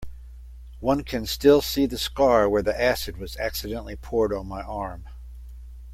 One can still see the scar where the acid was accidentally poured on my arm.